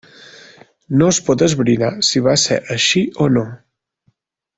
No es pot esbrinar si va ser així o no.